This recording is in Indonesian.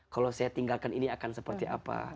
kalau saya tinggalkan ini akan seperti apa